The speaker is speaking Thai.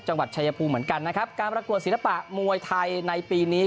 จังหวัดชายภูมิเหมือนกันนะครับการประกวดศิลปะมวยไทยในปีนี้